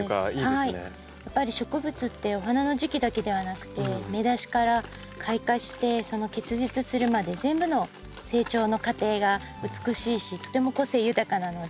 やっぱり植物ってお花の時期だけではなくて芽出しから開花して結実するまで全部の成長の過程が美しいしとても個性豊かなので。